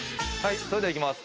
それではいきます。